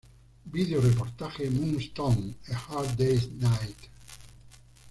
Video Reportaje Moonstone: A Hard Days Knight.